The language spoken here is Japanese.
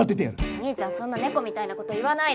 お義兄ちゃんそんな猫みたいな事言わないで！